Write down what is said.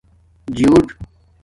جیوژ